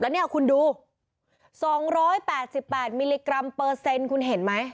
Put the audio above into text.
แล้วเนี่ยคุณดู๒๘๘มิลลิกรัมเปอร์เซ็นต์คุณเห็นไหม